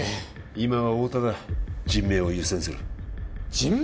今は太田だ人命を優先する人命！？